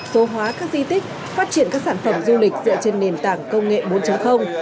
số hóa các di tích phát triển các sản phẩm du lịch dựa trên nền tảng công nghệ bốn